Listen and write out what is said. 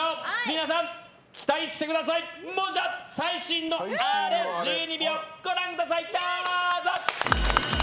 皆さん期待してくださいもじゃ、最新のアレ１２秒、ご覧ください。